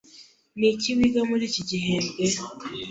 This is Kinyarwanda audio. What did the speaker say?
Niki wiga muri iki gihembwe?